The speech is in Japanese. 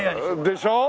でしょ。